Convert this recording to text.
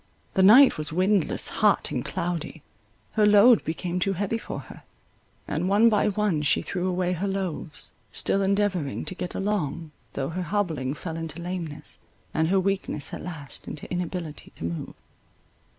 The night was windless, hot, and cloudy; her load became too heavy for her; and one by one she threw away her loaves, still endeavouring to get along, though her hobbling fell into lameness, and her weakness at last into inability to move.